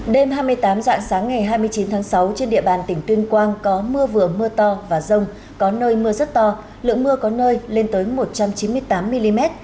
đêm hai mươi tám dạng sáng ngày hai mươi chín tháng sáu trên địa bàn tỉnh tuyên quang có mưa vừa mưa to và rông có nơi mưa rất to lượng mưa có nơi lên tới một trăm chín mươi tám mm